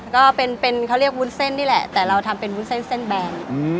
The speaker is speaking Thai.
ก็เป็นเขาเรียกวุลเส้นนี่แหละแต่เราทำเองวุลเส้นแบม